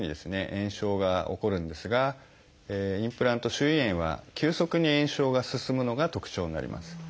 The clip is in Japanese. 炎症が起こるんですがインプラント周囲炎は急速に炎症が進むのが特徴になります。